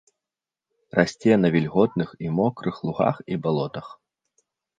Расце на вільготных і мокрых лугах і балотах.